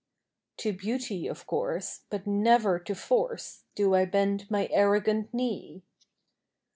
To beauty, of course, but never to force, Do I bend my arrogant knee!